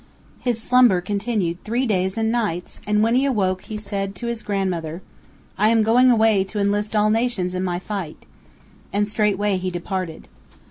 His slumber continued three days and three nights and when he awoke he said to his grandmother: "I am going away to enlist all nations in my fight." And straightway he departed.